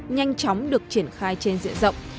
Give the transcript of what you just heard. nhanh chóng được triển khai trên diện rộng